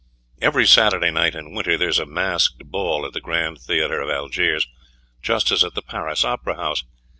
Every Saturday night in winter there is a masked ball at the Grand Theatre of Algiers, just as at the Paris Opera House.